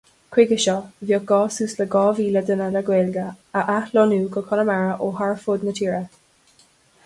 Chuige seo, bheadh gá suas le dhá mhíle duine le Gaeilge a athlonnú go Conamara ó thar fud na tíre.